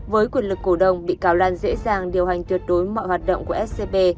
với quyền lực cổ đông bị cáo lan dễ dàng điều hành tuyệt đối mọi hoạt động của scb